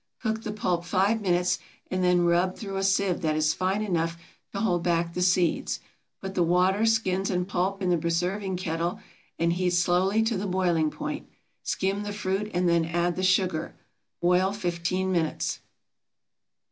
Cook the pulp five minutes and then rub through a sieve that is fine enough to hold back the seeds. Put the water, skins, and pulp into the preserving kettle and heat slowly to the boiling point. Skim the fruit and then add the sugar. Boil fifteen minutes.